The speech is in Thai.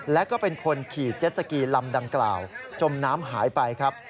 และก็เป็นคนขี่เจ็ดสกีลำดังกล่าวจมน้ำหายไปครับ